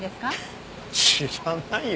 知らないよ。